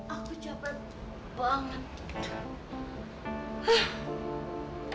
aku capek banget